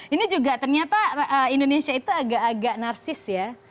ini juga ternyata indonesia itu agak agak narsis ya